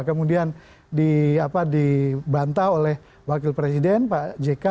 kemudian dibantah oleh wakil presiden pak jk